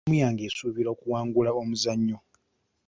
Ttiimu yange esuubira okuwangula omuzannyo.